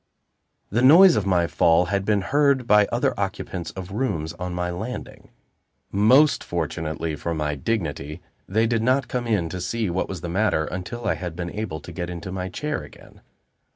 The noise of my fall had been heard by the other occupants of rooms on my landing. Most fortunately for my dignity, they did not come in to see what was the matter until I had been able to get into my chair again.